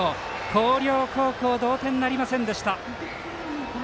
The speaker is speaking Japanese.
広陵高校は同点なりませんでした。